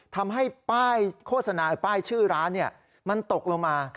ทำให้ป้ายโฆษณาป้ายชื่อร้านมันตกลงมา